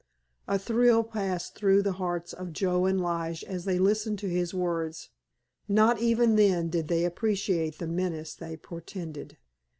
A thrill passed through the hearts of Joe and Lige as they listened to his words. Not even then did they appreciate the menace they portended.